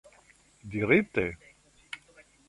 dirite